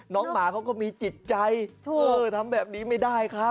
หมาเขาก็มีจิตใจทำแบบนี้ไม่ได้ครับ